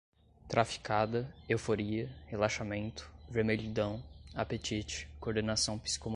traficada, euforia, relaxamento, vermelhidão, apetite, coordenação psicomotora